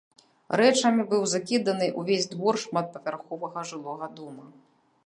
Рэчамі быў закіданы ўвесь двор шматпавярховага жылога дома.